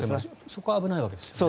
そこは危ないわけですね。